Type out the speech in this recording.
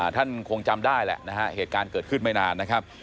ท่านคงจำได้แหละนะฮะเหตุการณ์เกิดขึ้นไม่นานนะครับ